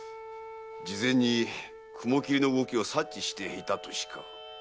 事前に雲切の動きを察知していたとしか。